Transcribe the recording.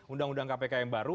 undang undang kpk yang baru